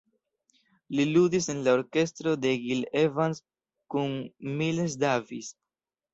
Li ludis en la orkestro de Gil Evans kun Miles Davis.